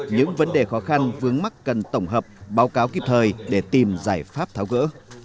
những vấn đề khó khăn vướng mắt cần tổng hợp báo cáo kịp thời để tìm giải pháp tháo gỡ